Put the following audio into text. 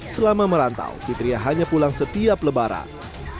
selama merantau fitriah hanya pulang setiap lebaran